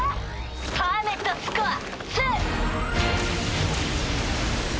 パーメットスコア２。